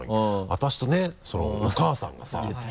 私とねお母さんがさ。